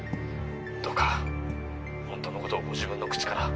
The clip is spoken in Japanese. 「どうか本当の事をご自分の口から」